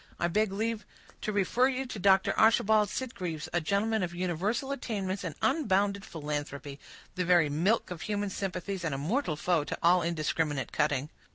I beg leave to refer you to Dr. Archibald Sitgreaves, a gentleman of universal attainments and unbounded philanthropy; the very milk of human sympathies, and a mortal foe to all indiscriminate cutting."